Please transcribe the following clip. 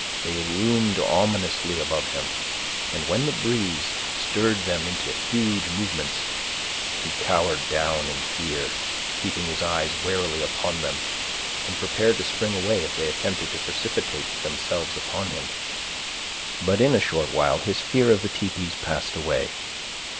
They loomed ominously above him; and when the breeze stirred them into huge movements, he cowered down in fear, keeping his eyes warily upon them, and prepared to spring away if they attempted to precipitate themselves upon him. But in a short while his fear of the tepees passed away.